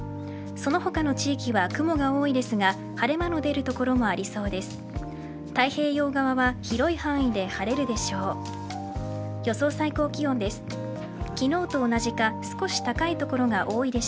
その他の地域は雲が多いですが晴れ間の出る所もありそうです。